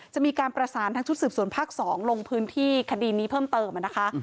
จะมีการประสานทั้งชุดสืบสวนภาค๒ลงพื้นที่คดีนี้เพิ่มเติมนะคะ